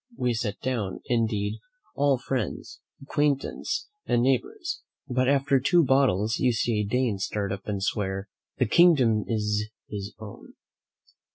We sit down, indeed, all friends, acquaintance, and neighbours; but after two bottles you see a Dane start up and swear, "the kingdom is his own."